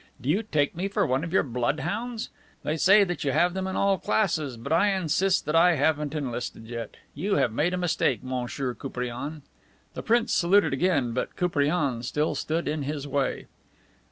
Do you take me for one of your bloodhounds? They say you have them in all classes, but I insist that I haven't enlisted yet. You have made a mistake, Monsieur Koupriane." The prince saluted again. But Koupriane still stood in his way.